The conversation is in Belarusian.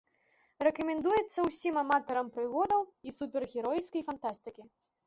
Рэкамендуецца ўсім аматарам прыгодаў і супергеройскай фантастыкі.